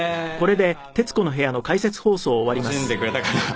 お母さん楽しんでくれたかな？